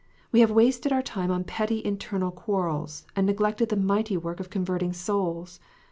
We have wasted our time on petty internal quarrels, and neglected the mighty work of converting souls.